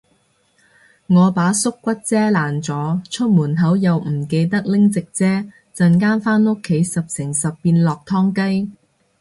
我把縮骨遮爛咗，出門口又唔記得拎直遮，陣間返屋企十成十變落湯雞